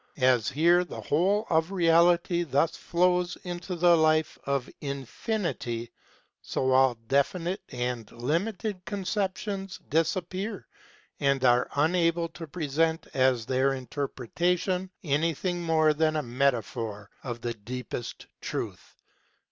As here the whole of Reality thus flows into the life of Infinity, so all definite and limited con ceptions disappear, and are unable to present as their interpretation anything more than a metaphor of the deepest truth.